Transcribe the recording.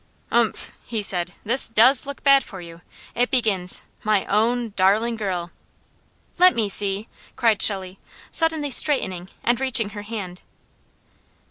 "Umph!" he said. "This DOES look bad for you. It begins: 'My own darling Girl.'" "Let me see!" cried Shelley, suddenly straightening, and reaching her hand.